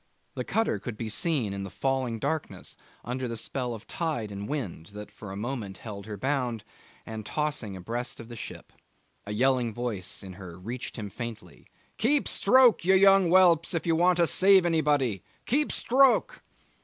The cutter could be seen in the falling darkness under the spell of tide and wind, that for a moment held her bound, and tossing abreast of the ship. A yelling voice in her reached him faintly: 'Keep stroke, you young whelps, if you want to save anybody! Keep stroke!